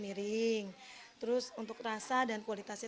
kue kering yang diperoleh oleh sudartati adalah kue kering yang berkualitas kaya